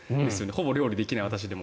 ほぼ料理できない私でも。